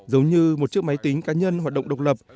giống như một chiếc máy tính cá nhân hoạt động độc lập